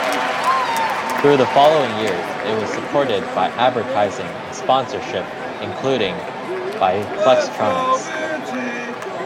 Through the following years it was supported by advertising and sponsorship, including by Flextronics.